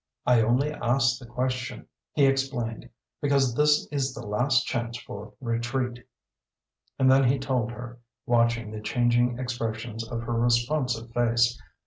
I only asked the question," he explained, "because this is the last chance for retreat." And then he told her, watching the changing expressions of her responsive face.